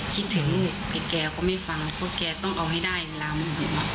คิดถึงลูกแต่แกก็ไม่ฟังเพราะแกต้องเอาให้ได้เวลาโมโห